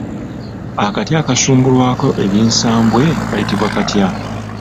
Akati akasubulwako ebinsambwe kayitibwa katya?